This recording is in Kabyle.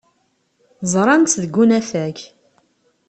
Ẓran-tt deg unafag.